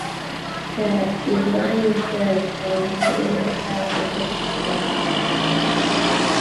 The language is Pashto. د ایرلاین د کاونټر مخې ته اوږد کتار و.